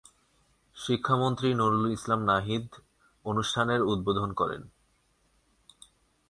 শিক্ষামন্ত্রী নুরুল ইসলাম নাহিদ অনুষ্ঠানের উদ্বোধন করেন।